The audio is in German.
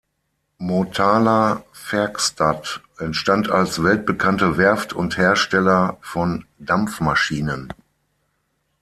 Motala Verkstad entstand als weltbekannte Werft und Hersteller von Dampfmaschinen.